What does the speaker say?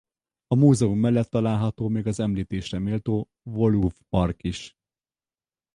A múzeum mellett található még az említésre méltó Woluwe-park is.